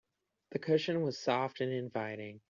The cushion was soft and inviting.